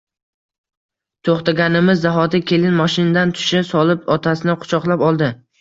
To‘xtaganimiz zahoti, kelin moshindan tusha solib, otasini quchoqlab oldi.